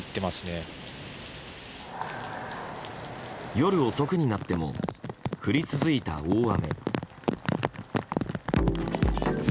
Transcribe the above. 夜遅くになっても降り続いた大雨。